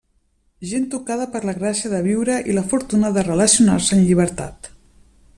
Gent tocada per la gràcia de viure i la fortuna de relacionar-se en llibertat.